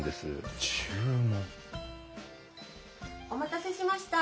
・お待たせしました。